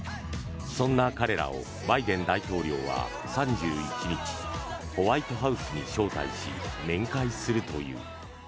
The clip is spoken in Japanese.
そんな彼らをバイデン大統領は３１日ホワイトハウスに招待し面会するという。